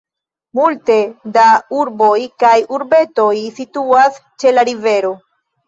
Multe da urboj kaj urbetoj situas ĉe la rivero.